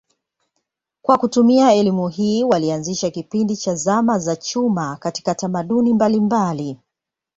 Kwa kutumia elimu hii walianzisha kipindi cha zama za chuma katika tamaduni mbalimbali.